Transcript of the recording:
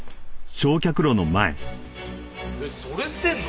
えっそれ捨てるの？